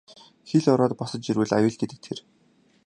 Хэл ороод босож ирвэл аюул гэдэг тэр.